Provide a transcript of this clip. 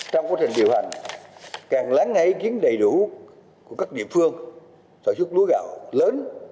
trong quá trình điều hành càng lắng ngay ý kiến đầy đủ của các địa phương sản xuất lúa gạo lớn